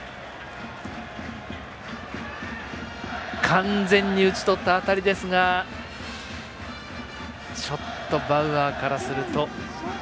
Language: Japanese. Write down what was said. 完全に打ち取った当たりですがちょっとバウアーからすると。